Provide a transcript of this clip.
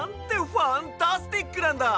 ファンタスティックなんだ！